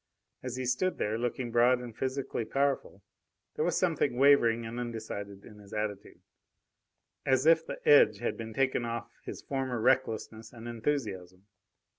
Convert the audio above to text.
As he stood there, looking broad and physically powerful, there was something wavering and undecided in his attitude, as if the edge had been taken off his former recklessness and enthusiasm.